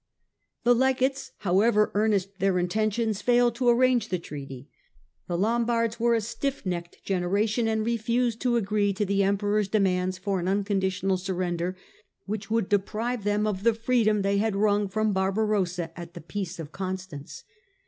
The Legates, however earnest their intentions, failed to arrange the treaty. The Lombards were a stiff necked generation and refused to agree to the Emperor's demands for an unconditional surrender, which would deprive them of the freedom they had wrung from Barbarossa at the Peace of Constance.